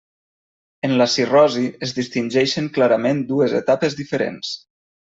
En la cirrosi es distingeixen clarament dues etapes diferents.